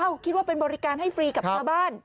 คิดว่าเป็นบริการให้ฟรีกับชาวบ้าน